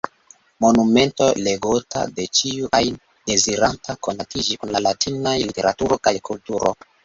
Monumento legota de ĉiu ajn deziranta konatiĝi kun la latinaj literaturo kaj kulturo.